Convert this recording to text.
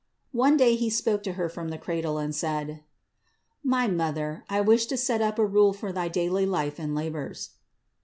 One day He spoke to Her from the cradle and said: "My THE INCARNATION 563 Mother, I wish to set up a rule for thy daily life and labors."